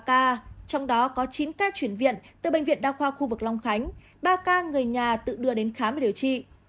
trong đó có chín ca chuyển viện từ bệnh viện đa khoa khu vực long khánh ba ca người nhà tự đưa đến khám để điều trị